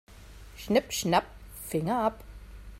Schnipp-schnapp, Finger ab.